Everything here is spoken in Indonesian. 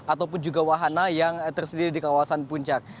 ataupun juga wahana yang tersedia di kawasan puncak